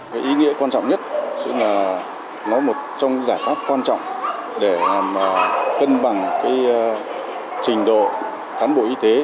cái ý nghĩa quan trọng nhất tức là nó một trong giải pháp quan trọng để cân bằng cái trình độ cán bộ y tế